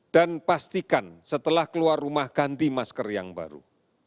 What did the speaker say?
dan pastikan setelah keluar rumah ganti masker yang baru